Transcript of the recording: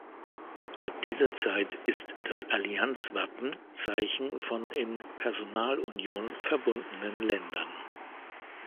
Ab dieser Zeit ist das Allianzwappen Zeichen von in Personalunion verbundenen Ländern.